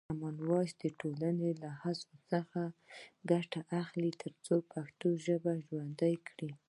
کامن وایس د ټولنې له هڅو څخه ګټه اخلي ترڅو پښتو ژبه ژوندۍ کړي.